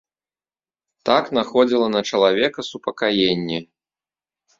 Так находзіла на чалавека супакаенне.